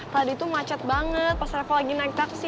tadi tuh macet banget pas revo lagi naik taksi